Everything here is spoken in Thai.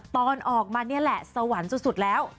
ตอนออกมานี่แหละสวรรค์สุดแล้ว